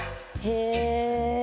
へえ。